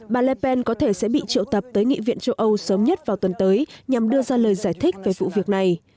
bà lapen có thể sẽ bị triệu tập tới nghị viện châu âu sớm nhất vào tuần tới nhằm đưa ra lời giải thích về vụ việc này